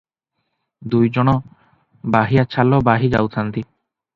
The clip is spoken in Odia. ଦୁଇ ଜଣ ବାହିଆ ଛାଲ ବାହି ଯାଉଥାନ୍ତି ।